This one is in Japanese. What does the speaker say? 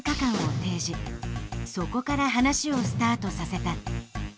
そこから話をスタートさせた。